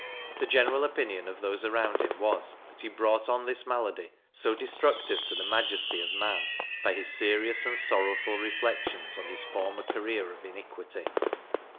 The general opinion of those around him was, that he brought on this malady, so destructive to the majesty of man, by his serious and sorrowful reflexions on his former career of iniquity.